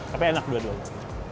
tapi enak dua duanya